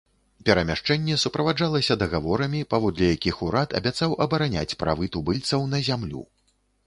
Перамяшчэнне суправаджалася дагаворамі, паводле якіх урад абяцаў абараняць правы тубыльцаў на зямлю.